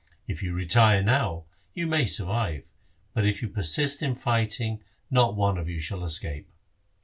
If you retire now, you may survive, but if you persist in fighting, not one of you shall escape.'